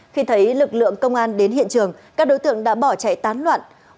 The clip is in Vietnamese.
khi thấy lực lượng công an đến hiện trường các đối tượng đã bỏ chạy tán loạn